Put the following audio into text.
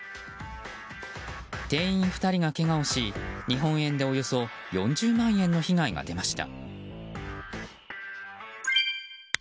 店員２人がけがをし日本円でおよそ４０万円の被害が出ました。